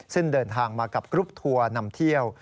ซึ่งเดินทางมากับกรุ๊ปทัวร์นำเที่ยว